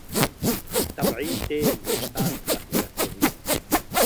طبیعي تېل وېښتيان تقویه کوي.